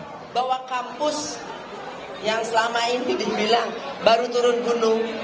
kita bawa kampus yang selama ini dibilang baru turun gunung